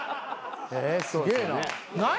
えすげえな。